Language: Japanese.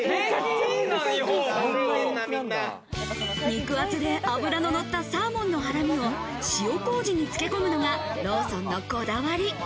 肉厚で脂ののったサーモンのハラミを塩麹につけ込むのがローソンのこだわり。